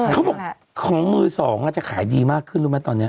เขาบอกของมือสองอาจจะขายดีมากขึ้นรู้ไหมตอนนี้